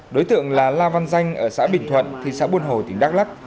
đối tượng là la văn danh ở xã bình thuận thị xã buôn hồ tỉnh đắk lắc